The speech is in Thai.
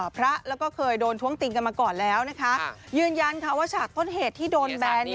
พระแล้วก็เคยโดนท้วงติงกันมาก่อนแล้วนะคะยืนยันค่ะว่าฉากต้นเหตุที่โดนแบน